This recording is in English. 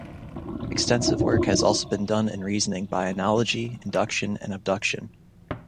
Extensive work has also been done in reasoning by analogy induction and abduction.